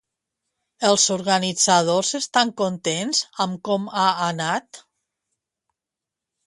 Els organitzadors estan contents amb com ha anat?